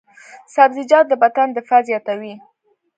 سبزیجات د بدن دفاع زیاتوي.